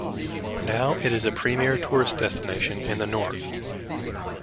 Now, it is a premiere tourist destination in the north.